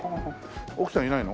奥さんいないの？